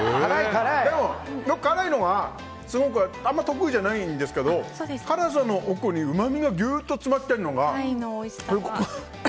でも、辛いのはあまり得意じゃないんですけど辛さの奥に、うまみがぎゅーっと詰まってるのが。